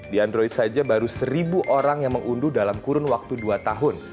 di android saja baru seribu orang yang mengunduh dalam kurun waktu dua tahun